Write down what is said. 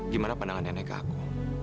gimana pandangan nenek ke aku